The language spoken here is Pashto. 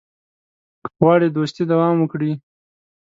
که غواړې دوستي دوام وکړي.